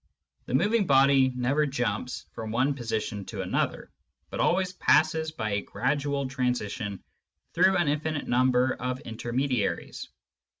The moving body never jumps from one position to another, but always passes by a gradual transition through an infinite number of intermediaries.